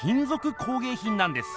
こうげいひんなんです。